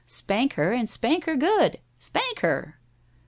Spank her, and spank her good. Spank her!"